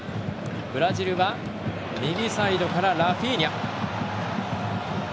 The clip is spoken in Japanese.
ブラジルは右サイドからラフィーニャ。